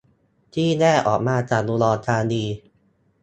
ที่แยกออกมาจากอุดรธานี